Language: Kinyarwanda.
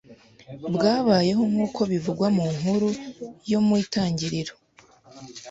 bwabayeho nk’uko bivugwa mu nkuru yo mu Itangiriro,